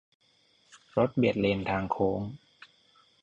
- รถเบียดเลนทางโค้ง